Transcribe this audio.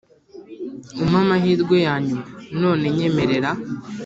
umpe amahirwe ya nyuma, none nyemerera